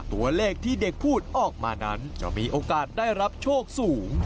ตัวเลขที่เด็กพูดออกมานั้นจะมีโอกาสได้รับโชคสูง